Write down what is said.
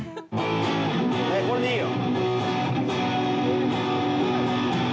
これでいいや。